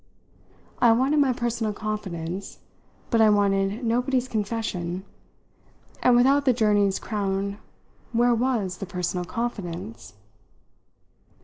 I wanted my personal confidence, but I wanted nobody's confession, and without the journey's crown where was the personal confidence?